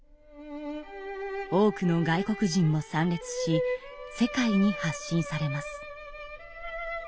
多くの外国人も参列し世界に発信されます。